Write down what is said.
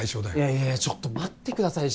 いやいやちょっと待ってください